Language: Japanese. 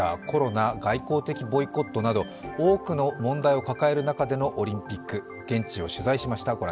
コロナ、外交的ボイコットなど、多くの問題を抱える中でのオリンピック、現地を取材しました。